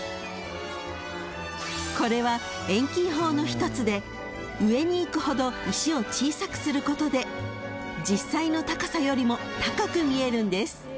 ［これは遠近法の一つで上にいくほど石を小さくすることで実際の高さよりも高く見えるんです］